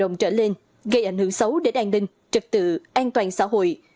đồng trở lên gây ảnh hưởng xấu đến an ninh trật tự an toàn xã hội